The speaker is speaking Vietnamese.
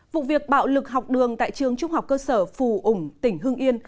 vụ việc bạo lực học đường tại trường trung học cơ sở phù ổng tỉnh hương yên